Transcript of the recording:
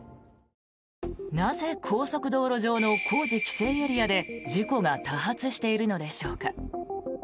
なぜ高速道路上の工事規制エリアで事故が多発しているのでしょうか。